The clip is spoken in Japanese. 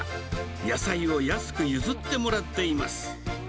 野菜を安く譲ってもらっています。